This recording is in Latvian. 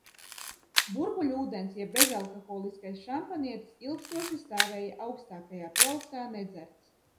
Burbuļūdens jeb bezalkoholiskais šampanietis ilgstoši stāvēja augstākajā plauktā nedzerts.